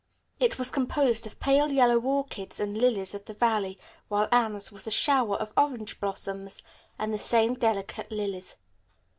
It was composed of pale yellow orchids and lilies of the valley, while Anne's was a shower of orange blossoms and the same delicate lilies.